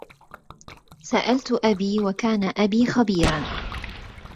سألت أبي وكان أبي خبيرا